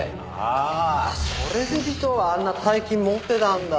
ああそれで尾藤はあんな大金持ってたんだ。